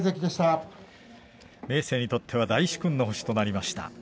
明生にとっては大殊勲の星となりました。